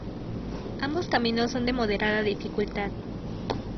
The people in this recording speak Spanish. Ambos caminos son de moderada dificultad.